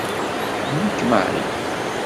Tḥemmel-ik Mary.